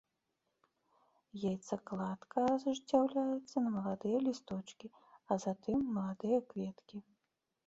Яйцакладка ажыццяўляецца на маладыя лісточкі, а затым у маладыя кветкі.